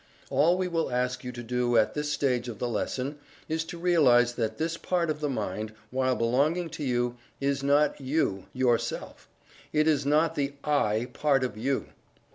All we will ask you to do at this stage of the lesson is to realize that this part of the mind, while belonging to you, is not You, yourself. It is not the "I" part of you.